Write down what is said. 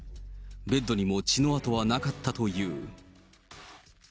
ベッドにも血の跡はなかったという。